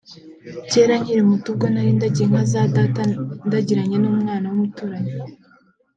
Kera nkiri muto ubwo narindagiye inka za Data ndagiranye n’umwana w’umuturanyi